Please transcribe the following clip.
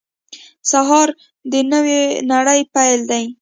سهار د نوې نړۍ پیل دی.